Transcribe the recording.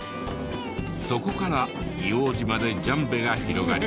そこから硫黄島でジャンベが広がり